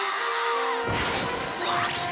うわっ！